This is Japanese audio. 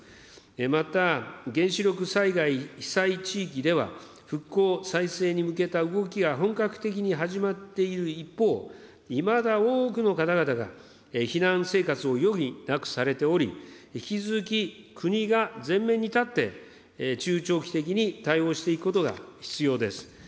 また原子力災害被災地域では、復興、再生に向けた動きが本格的に始まっている一方、いまだ多くの方々が避難生活を余儀なくされており、引き続き国が前面に立って、中長期的に対応していくことが必要です。